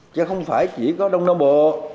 chứ không phải chỉ có đông nông bộ